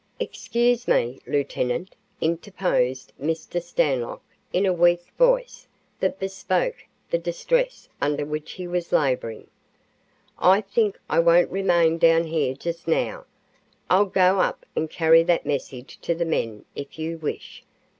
"Excuse me, lieutenant," interposed Mr. Stanlock in a weak voice that bespoke the distress under which he was laboring. "I think I won't remain down here just now. I'll go up and carry that message to the men, if you wish.